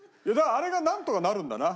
あれがなんとかなるんだな。